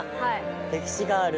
歴史がある。